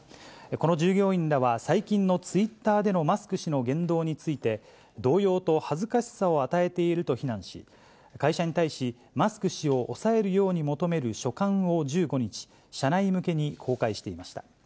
この従業員らは最近のツイッターでのマスク氏の言動について、動揺と恥ずかしさを与えていると非難し、会社に対し、マスク氏を抑えるように求める書簡を１５日、社内向けに公開していました。